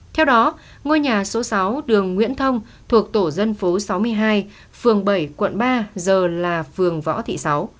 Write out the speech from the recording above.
theo đó ngôi nhà số sáu đường nguyễn thông thuộc tổ dân phố sáu mươi hai phường bảy quận ba giờ là phường võ thị sáu